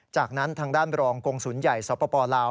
จากนั้นทางด้านรองกงศูนย์ใหญ่สปลาว